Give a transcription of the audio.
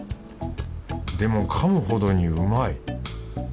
でもかむほどにうまい。